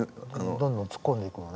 どんどん突っ込んでいくもんね。